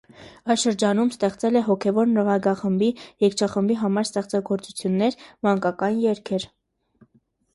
Այս շրջանում ստեղծել է հոգևոր նվագախմբի, երգչախմբի համար ստեղծագործություններ, մանկական երգեր։